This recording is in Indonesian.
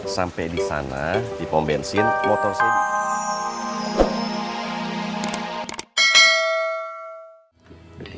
sampai di sana di pom bensin motor sini